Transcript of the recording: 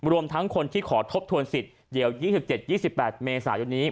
รวมทั้งคนที่ขอทบทวนสิทธิ์เดี๋ยวยี่สิบเจ็ดยี่สิบแปดเมษายนนี้